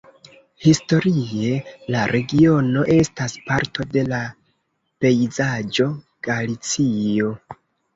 Historie la regiono estas parto de la pejzaĝo Galicio.